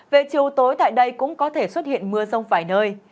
về chiều tối tại đây cũng có thể xuất hiện mưa rông vài nơi